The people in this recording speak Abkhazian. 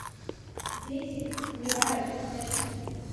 Бесик Квираиа дҭахеит!